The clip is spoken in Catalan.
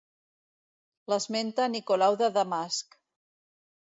L'esmenta Nicolau de Damasc.